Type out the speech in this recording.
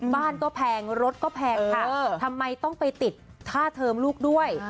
บ้านก็แพงรถก็แพงค่ะทำไมต้องไปติดค่าเทอมลูกด้วย